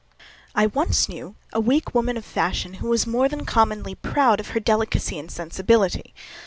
I once knew a weak woman of fashion, who was more than commonly proud of her delicacy and sensibility.